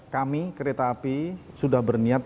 kami kereta api sudah berniat